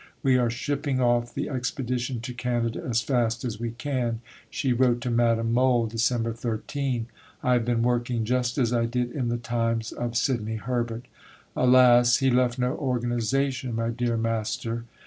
"We are shipping off the Expedition to Canada as fast as we can," she wrote to Madame Mohl (Dec. 13). "I have been working just as I did in the times of Sidney Herbert. Alas! he left no organization, my dear master!